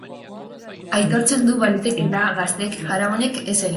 Aitortzen du balitekeela gazteek jaramonik ez egitea.